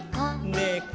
「ねこ」